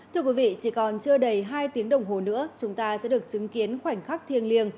thưa quý vị chỉ còn chưa đầy hai tiếng đồng hồ nữa chúng ta sẽ được chứng kiến khoảnh khắc thiêng liêng